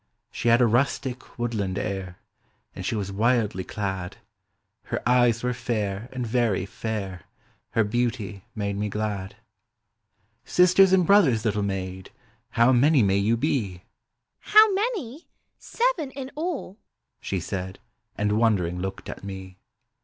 She had a rustic, woodland air. And she was wildly clad; Digitized by Google 74 poem* or HOME. Her eyes were fair, and very fair;— 4 Her beauty made me glad. " Sisters and brothers, little maid, How manv mav vou be? "How many? Seven in all," she said, And wondering looked at me.